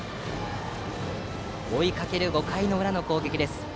追いかける５回の裏の攻撃です。